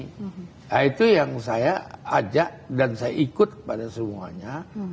nah itu yang saya ajak dan saya ikut kepada semuanya